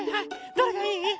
どれがいい？